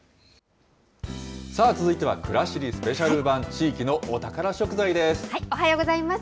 さあ、続いてはくらしりスペシャル版、おはようございます。